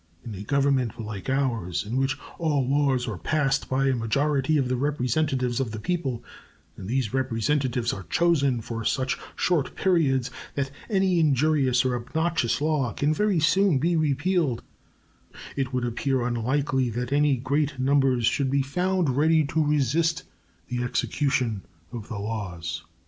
In a government like ours, in which all laws are passed by a majority of the representatives of the people, and these representatives are chosen for such short periods that any injurious or obnoxious law can very soon be repealed, it would appear unlikely that any great numbers should be found ready to resist the execution of the laws.